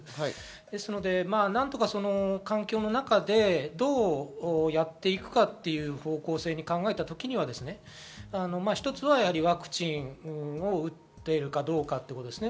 ですので、なんとか、その環境の中でどうやっていくかという方向性を考えた時には一つは、ワクチンを打っているかどうかということですね。